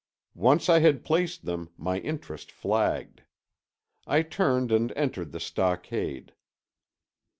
Once I had placed them, my interest flagged. I turned and entered the stockade.